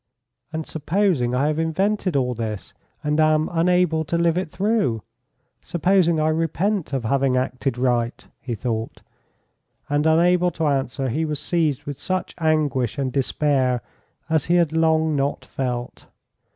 "And supposing I have invented all this, and am unable to live it through supposing I repent of having acted right," he thought; and unable to answer he was seized with such anguish and despair as he had long not felt.